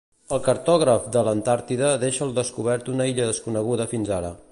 El cartògraf de l'Antàrtida deixa al descobert una illa desconeguda fins ara.